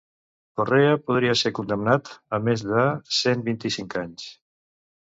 Correa podria ser condemnat a més de cent vint-i-cinc anys.